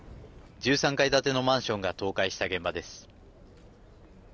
１３階建てのマンションが倒壊した現場です。